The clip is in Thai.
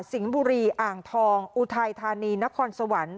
สิงภ์บุรีอ่างทองอูทายธานีนครสวรรค์